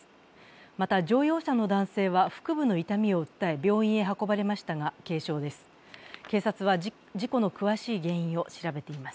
また、乗用車の男性は腹部の痛みを訴え、病院へ運ばれましたが、軽傷です。